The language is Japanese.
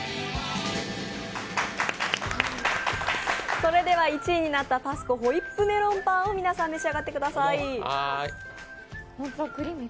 それでは１位になったＰａｓｃｏ・ホイップメロンパンを皆さん、召し上がってください。